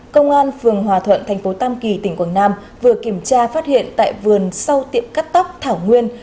công an phường hòa thuận thành phố tam kỳ tỉnh quảng nam vừa kiểm tra phát hiện tại vườn sau tiệm cắt tóc thảo nguyên